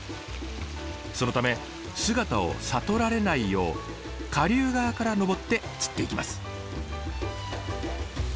そのため姿を悟られないよう下流側から登って釣っていきます。